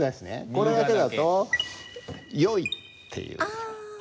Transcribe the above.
これだけだと「善い」っていう意味。